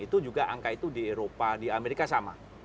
itu juga angka itu di eropa di amerika sama